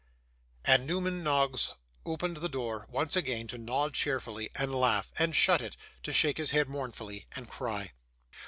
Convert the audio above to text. And Newman Noggs opened the door once again to nod cheerfully, and laugh and shut it, to shake his head mournfully, and cry.